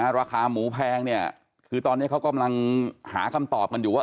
ราคาหมูแพงเนี่ยคือตอนนี้เขากำลังหาคำตอบกันอยู่ว่า